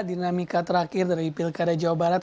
selamat malam terakhir dari pilkada jawa barat